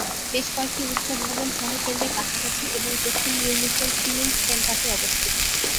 বেশ কয়েকটি উচ্চ ভবন শহর কেন্দ্রের কাছাকাছি এবং দক্ষিণ মিউনিখের সিমেন্স ক্যাম্পাসে অবস্থিত।